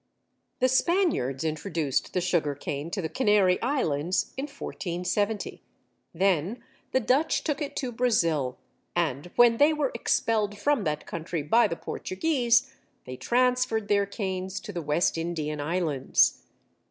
The Spaniards introduced the Sugar cane to the Canary Islands in 1470. Then the Dutch took it to Brazil, and when they were expelled from that country by the Portuguese they transferred their canes to the West Indian Islands.